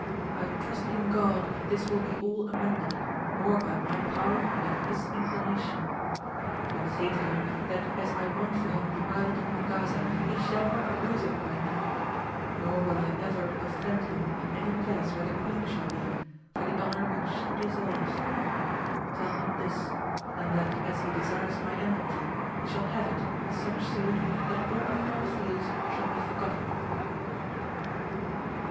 I trust in God this will be all amended, more by my power than his inclination. But sav to him that as I won for him the Island of Mon gaza he shall not lose it by me ; nor will I ever ofifend him in any place where the queen shall be, for the honour which she deserves. Tell him this, and that as he desires my enmity, he shall have it in such sort, that all he now feels shall be forgotten.